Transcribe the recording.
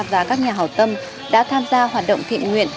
và các nhà hào tâm đã tham gia hoạt động